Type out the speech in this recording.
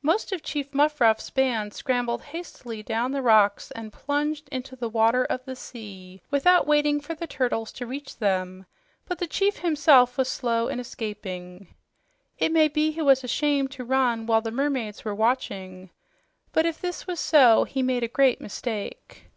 Most of Chief Muffruff's band scrambled hastily down the rocks and plunged into the water of the sea without waiting for the turtles to reach them; but the chief himself was slow in escaping. It may be that he was ashamed to run while the mermaids were watching, but if this was so he made a great mistake.